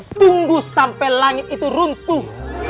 tunggu sampai langit itu runtuh